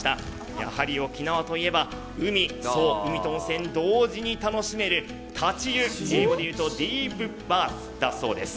やはり沖縄といえば海、海と温泉が同時に楽しめる立ち湯、英語で言うとディープ・バースだそうです。